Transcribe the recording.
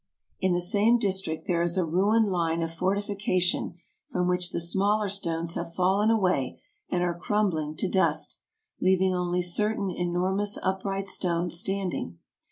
In the same district there is a ruined line of fortification from which the smaller stones have fallen away and are crumbling to dust, leaving only certain enor mous upright stones standing.